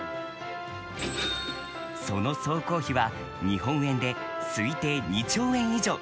その総工費は日本円で推定２兆円以上。